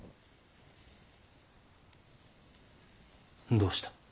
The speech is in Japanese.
どうした？